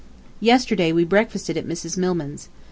Yesterday we breakfasted at Mrs. Milman's.